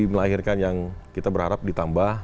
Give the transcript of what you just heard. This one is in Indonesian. melahirkan yang kita berharap ditambah